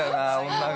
女が。